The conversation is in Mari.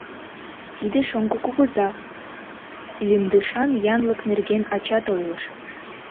Тиде «шоҥго кугыза» лӱмдышан янлык нерген ачат ойлыш.